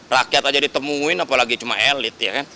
rakyat aja ditemuin apalagi cuma elit ya kan